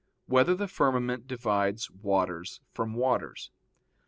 3] Whether the Firmament Divides Waters from Waters?